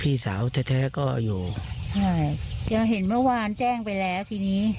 พี่สาวแท้แท้ก็อยู่ใช่ก็เห็นเมื่อวานแจ้งไปแล้วทีนี้